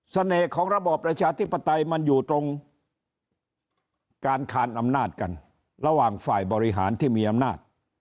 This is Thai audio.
ของระบอบประชาธิปไตยมันอยู่ตรงการคานอำนาจกันระหว่างฝ่ายบริหารที่มีอำนาจ